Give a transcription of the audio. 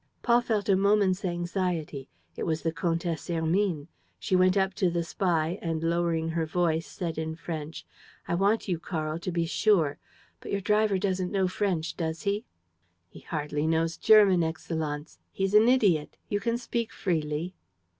Paul felt a moment's anxiety. It was the Comtesse Hermine. She went up to the spy and, lowering her voice, said, in French: "I want you, Karl, to be sure ... But your driver doesn't know French, does he?" "He hardly knows German, Excellenz. He's an idiot. You can speak freely."